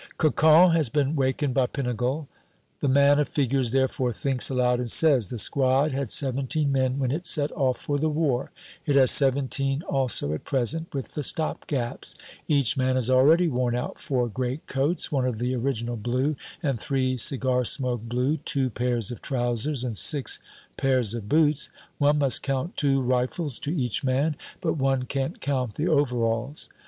Cocon has been wakened by Pinegal. The man of figures therefore thinks aloud, and says: "The squad had seventeen men when it set off for the war. It has seventeen also at present, with the stop gaps. Each man has already worn out four greatcoats, one of the original blue, and three cigar smoke blue, two pairs of trousers and six pairs of boots. One must count two rifles to each man, but one can't count the overalls.